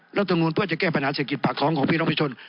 รัฐมนุนเพื่อจะแก้ปัญหาเศรษฐกิจปากท้องของพี่น้องประชาชน